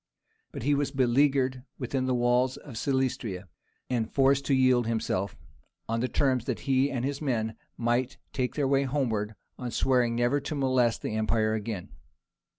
But he was beleaguered within the walls of Silistria, and forced to yield himself, on the terms that he and his men might take their way homeward, on swearing never to molest the empire again.